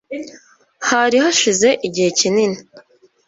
hari hashize igihe kinini